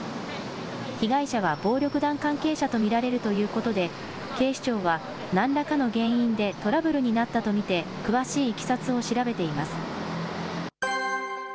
被害者は暴力団関係者と見られるということで、警視庁はなんらかの原因でトラブルになったと見て、詳しいいきさつを調べています。